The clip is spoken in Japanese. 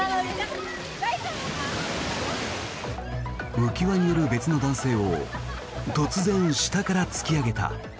浮輪にいる別の男性を突然、下から突き上げた。